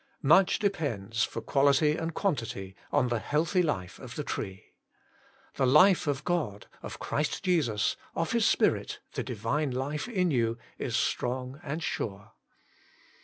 1. Much depends, for quality and quantity, on the healthy life of the tree. The life of God, of Christ Jesus, of His Spirit, the Divine life in you, is strong and sure.